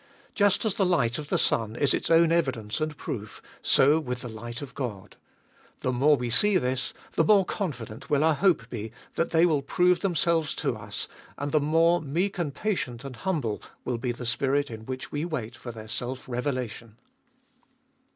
Just as the light of the sun is its own evidence and proof, so with the light of God. The more we see this, the more confident will our hope be that they will prove themselves to us, and the more meek and patient and humble will be the spirit in whhh we wait for their self revelation.